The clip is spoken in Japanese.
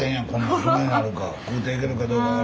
食うていけるかどうか。